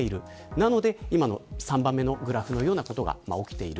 なので３番目のグラフのようなことが起きている。